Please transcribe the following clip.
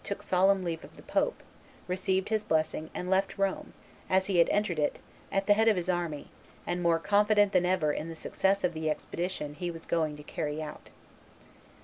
took solemn leave of the pope, received his blessing, and left Rome, as he had entered it, at the head of his army, and more confident than ever in the success of the expedition he was going to carry out.